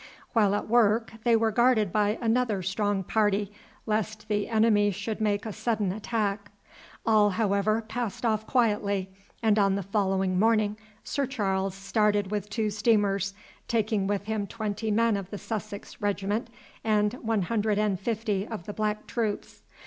While at work they were guarded by another strong party, lest the enemy should make a sudden attack. All, however, passed off quietly, and on the following morning Sir Charles started with two steamers, taking with him twenty men of the Sussex regiment and one hundred and fifty of the black troops.